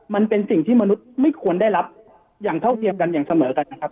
มันเป็นสิ่งที่มนุษย์ไม่ควรได้รับอย่างเท่าเทียมกันอย่างเสมอกันนะครับ